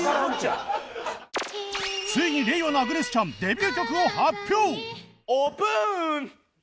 ついに令和のアグネス・チャンデビュー曲を発表！